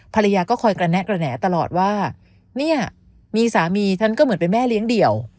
ภรรยาก็คอยกระแนะกระแหน่ตลอดว่าเนี่ยมีสามีฉันก็เหมือนเป็นแม่เลี้ยงเดี่ยว